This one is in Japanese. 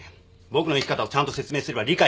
僕の生き方をちゃんと説明すれば理解してくれる。